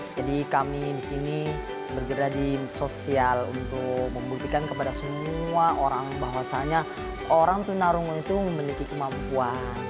jadi kami di sini bergerak di sosial untuk membuktikan kepada semua orang bahwasanya orang tuna rungu itu memiliki kemampuan